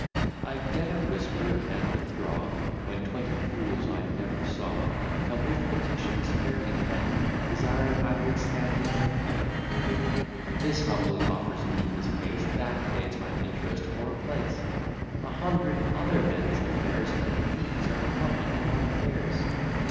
I get a whisper, and withdraw; When twenty fools I never saw Come with petitions fairly penn'd, Desiring I would stand their friend. This humbly offers me his case; That begs my interest for a place; A hundred other men's affairs, Like bees, are humming in my ears.